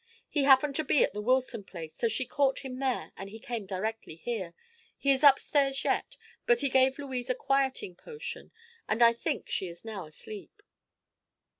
He happened to be at the Wilson place, so she caught him there and he came directly here. He is upstairs yet, but he gave Louise a quieting potion and I think she is now asleep."